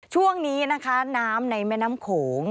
ช่วงนี้นะคะน้ำในแม่น้ำโขง